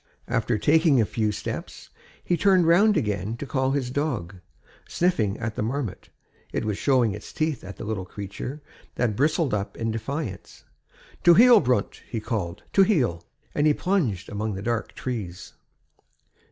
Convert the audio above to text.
After taking a few steps, he turned round again to call his dog; sniffing at the marmot, it was showing its teeth at the little creature that bristled up in defiance. "To heel, Brount!" he called, "to heel!" and he plunged among the dark trees.